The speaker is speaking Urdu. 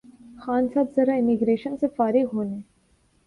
خان صاحب ذرا امیگریشن سے فارغ ہولیں